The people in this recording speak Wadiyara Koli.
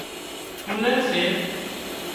ڪُولر سي